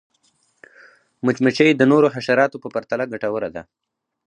مچمچۍ د نورو حشراتو په پرتله ګټوره ده